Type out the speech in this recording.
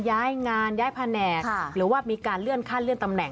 แยกงานย้ายแผ่นแหนกหรือว่ามีการเลื่อนข้าเลื่อนตำแหน่ง